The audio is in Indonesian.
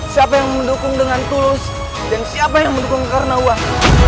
siapa yang mendukung dengan tulus dan siapa yang mendukung karena wah